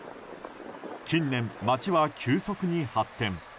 近年、町は急速に発展。